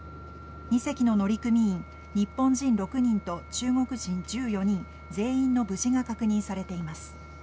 ２隻の乗組員日本人６人と中国人１４人全員の無事が確認されています。